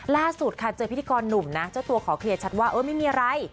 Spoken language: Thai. ล่าสุดค่ะเจอพิธีกรหนุ่มนะเจ้าตัวขอเคลียร์ชัดว่าเออไม่มีอะไร